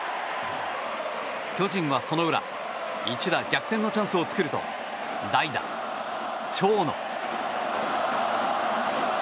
巨人はその裏一打逆転のチャンスを作ると代打、長野。